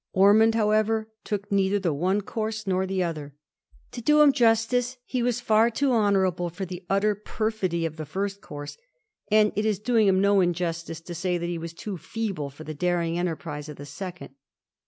Ormond, however, took neither the one course nor the other. To do him justice he was far too honourable for the utter perfidy of the first course, and it is doing him no injustice to say that he was too feeble for the daring enterprise of the second.